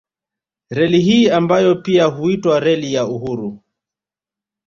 Reli hii ambayo pia huitwa Reli ya Uhuru